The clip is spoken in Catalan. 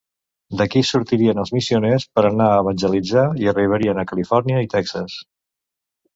D'aquí sortirien els missioners per anar a evangelitzar i arribarien a Califòrnia i Texas.